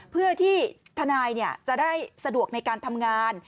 เพื่อที่ทนายจะได้สะดวกในการทำงาน